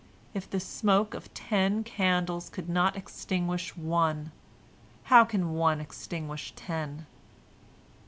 If the smoke of ten candles could not extinguish one, how can one extinguish ten?"